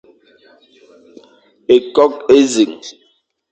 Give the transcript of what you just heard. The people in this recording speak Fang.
Ékôkh énẑiñ,